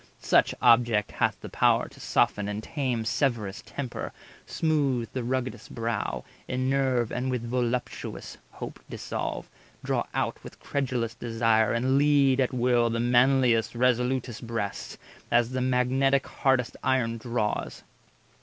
Such object hath the power to soften and tame Severest temper, smooth the rugged'st brow, Enerve, and with voluptuous hope dissolve, Draw out with credulous desire, and lead At will the manliest, resolutest breast, As the magnetic hardest iron draws.